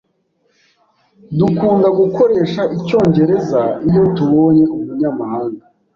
Dukunda gukoresha icyongereza iyo tubonye umunyamahanga.